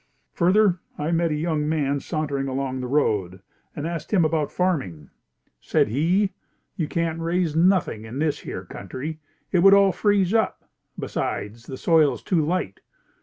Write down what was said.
Further I met a young man sauntering along the road and asked him about farming. Said he, "You can't raise nothing in this here country. It would all freeze up; besides the soil is too light."